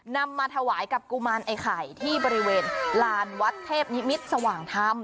มาถวายกับกุมารไอ้ไข่ที่บริเวณลานวัดเทพนิมิตรสว่างธรรม